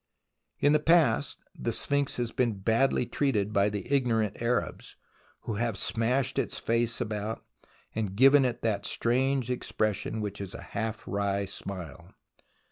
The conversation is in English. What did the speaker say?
In the past the Sphinx has been badly treated by the ignorant Arabs, who have smashed its face about and given it that strange expression which is a half wry smile.